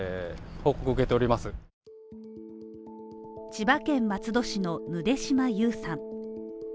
千葉県松戸市の、ぬで島優さん。